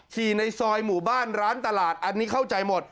ในซอยหมู่บ้านร้านตลาดอันนี้เข้าใจหมด